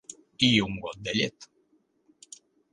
I un got de llet.